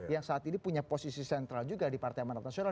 yang saat ini punya posisi sentral juga di partai amanat nasional